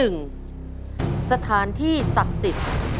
เรื่องที่๑สถานที่ศักดิ์สิทธิ์